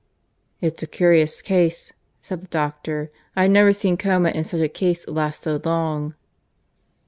"It's a curious case," said the doctor. "I've never seen coma in such a case last so long."